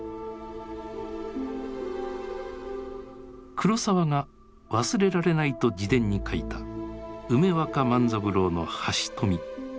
黒澤が忘れられないと自伝に書いた梅若万三郎の「半蔀」。